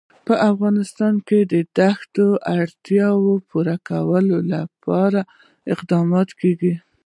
په افغانستان کې د دښتې د اړتیاوو پوره کولو لپاره اقدامات کېږي.